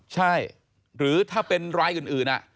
ใช่หรือถ้าเป็นรายกันอื่นอ่ะ